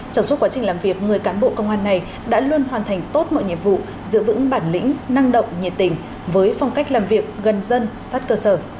trong suốt quá trình làm việc người cán bộ công an này đã luôn hoàn thành tốt mọi nhiệm vụ giữ vững bản lĩnh năng động nhiệt tình với phong cách làm việc gần dân sát cơ sở